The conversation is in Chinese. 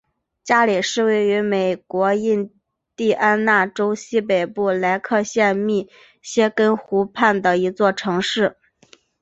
加里是位于美国印第安纳州西北部莱克县密歇根湖畔的一座城市。